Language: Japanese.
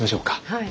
はい。